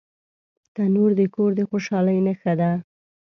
تنور د کور د خوشحالۍ نښه ده